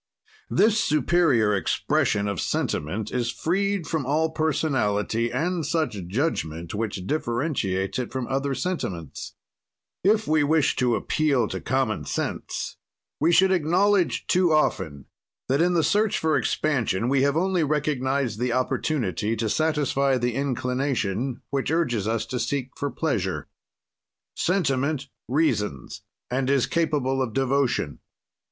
"This superior expression of sentiment is freed from all personality and such judgment which differentiates it from other sentiments. "If we wished to appeal to common sense we should acknowledge, too often, that in the search for expansion we have only recognized the opportunity to satisfy the inclination which urges us to seek for pleasure. "Sentiment reasons, and is capable of devotion.